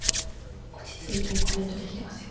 落ち着いてコメントできてますよ。